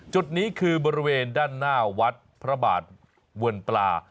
จุดนี้คือบริเวณด้านหน้าวัดพระบาทเวือนปลา